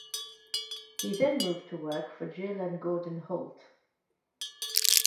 He then moved to work for Jill and Gordon Holt.